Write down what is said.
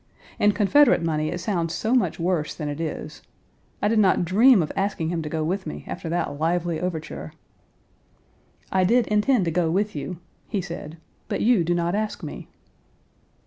In Confederate money it sounds so much worse than it is. I did not dream of asking him to go with me after that lively overture. "I did intend to go with you," he said, "but you do not ask me."